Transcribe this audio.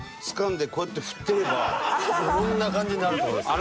こんな感じになるって事ですね。